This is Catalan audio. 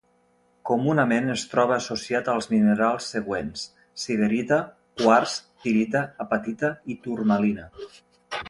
Comunament es troba associat als minerals següents: siderita, quars, pirita, apatita i turmalina.